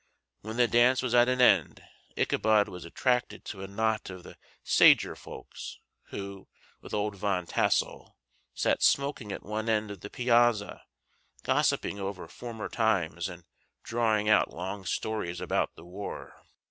When the dance was at an end Ichabod was attracted to a knot of the sager folks, who, with old Van Tassel, sat smoking at one end of the piazza gossiping over former times and drawing out long stories about the war.